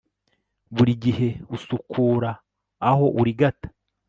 buri gihe usukura, uhora urigata